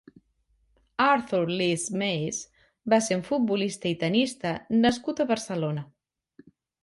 Arthur Leask Mace va ser un futbolista i tennista nascut a Barcelona.